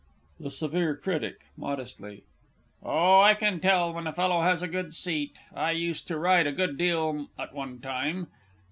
THE S. C. (modestly). Oh, I can tell when a fellow has a good seat. I used to ride a good deal at one time.